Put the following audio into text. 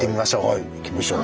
はい行きましょう。